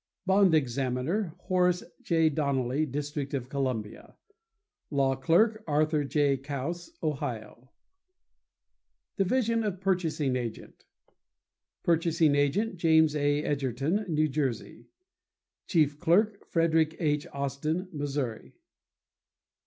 Bond Examiner.—Horace J. Donnelly, District of Columbia. Law Clerk.—Arthur J. Kause, Ohio, Division of Purchasing Agent.— Purchasing Agent.—James A. Edgerton, New Jersey. Chief Clerk.—Frederick H. Austin, Missouri.